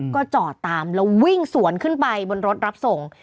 ก็จอดตามแล้ววิ่งสวนขึ้นไปบนรถรับส่ง